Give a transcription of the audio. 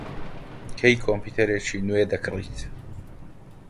کەی کۆمپیوتەرێکی نوێ دەکڕیت؟